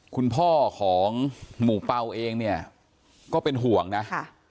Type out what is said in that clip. คุณพ่อของหมู่เปล่าเองเนี่ยก็เป็นห่วงนะค่ะ